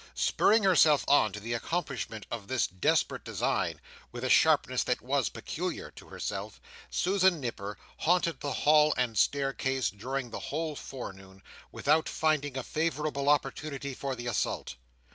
Spurring herself on to the accomplishment of this desperate design, with a sharpness that was peculiar to herself, Susan Nipper haunted the hall and staircase during the whole forenoon, without finding a favourable opportunity for the assault.